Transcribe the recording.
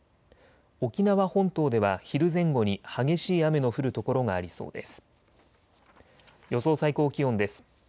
沖縄本島では昼前後に激しい雨の降る所がありそうです。